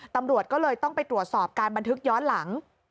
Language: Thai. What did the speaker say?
ตำรวจก็เลยต้องไปตรวจสอบการบันทึกย้อนหลัง